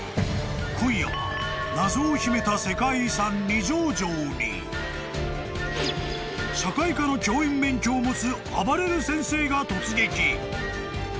［今夜は謎を秘めた世界遺産二条城に社会科の教員免許を持つあばれる先生が突撃］